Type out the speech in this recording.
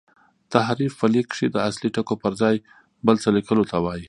تحریف په لیک کښي د اصلي ټکو پر ځای بل څه لیکلو ته وايي.